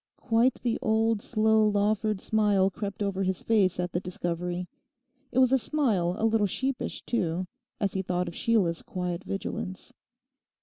Quite the old slow Lawford smile crept over his face at the discovery. It was a smile a little sheepish too, as he thought of Sheila's quiet vigilance.